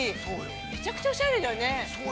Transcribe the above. めちゃくちゃおしゃれだよね。